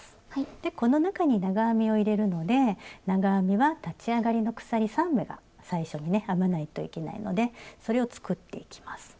でこの中に長編みを入れるので長編みは立ち上がりの鎖３目が最初にね編まないといけないのでそれを作っていきます。